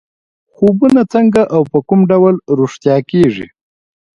خوبونه څنګه او په کوم ډول رښتیا کېږي.